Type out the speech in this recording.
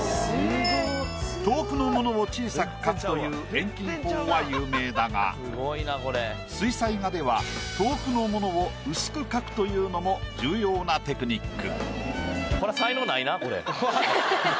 遠くのものを小さく描くという遠近法は有名だが水彩画ではというのも重要なテクニック。